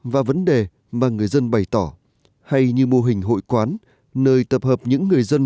và vấn đề mà người dân bày tỏ hay như mô hình hội quán nơi tập hợp những người dân